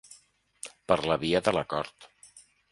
Per la via de l’acord.